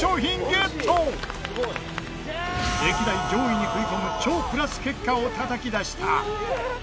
歴代上位に食い込む超プラス結果をたたき出した！